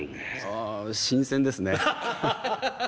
ああ新鮮ですね。